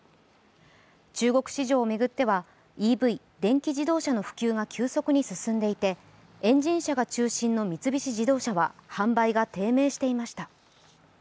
中国市場を巡ってはＥＶ＝電気自動車の普及が急速に進んでいてエンジン車が中心の三菱自動車は販売が低迷していました。